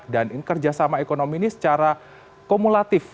dan kerjasama ekonomi ini secara kumulatif